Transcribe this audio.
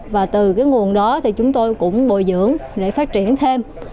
và từ nguồn đó chúng tôi cũng bồi dưỡng để phát triển thêm